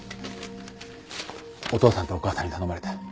お父さんとお母さんに頼まれた。